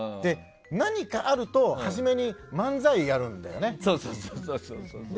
何かあると初めに漫才をやるんだよね。